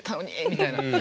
みたいな。